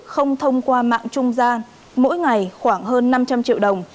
không thông qua mạng trung gian mỗi ngày khoảng hơn năm trăm linh triệu đồng